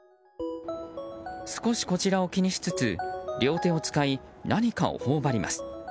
少しこちらを気にしつつ両手を使い、何かを頬張ります。